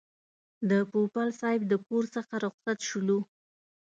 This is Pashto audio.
د پوپل صاحب د کور څخه رخصت شولو.